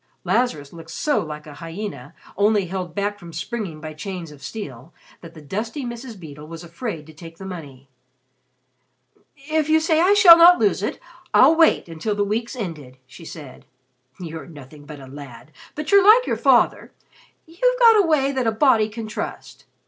Lazarus looked so like a hyena, only held back from springing by chains of steel, that the dusty Mrs. Beedle was afraid to take the money. "If you say that I shall not lose it, I'll wait until the week's ended," she said. "You're nothing but a lad, but you're like your father. You've got a way that a body can trust.